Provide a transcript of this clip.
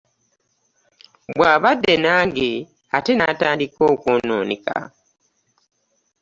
Bw'abadde nange ate n'atandika okwonooneka.